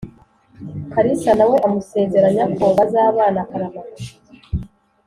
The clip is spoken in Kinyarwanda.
kalisa nawe amusezeranya ko bazabana akaramata